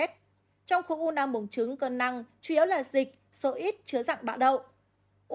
trong khối u năng buồng trứng cơ năng chủ yếu là dịch số ít chứa dạng bạ đậu